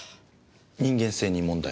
人間性に問題？